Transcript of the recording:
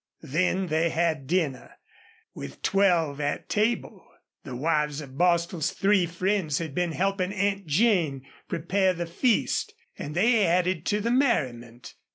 Then they had dinner, with twelve at table. The wives of Bostil's three friends had been helping Aunt Jane prepare the feast, and they added to the merriment.